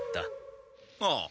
ああ。